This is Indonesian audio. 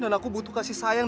dan aku butuh kasih sayang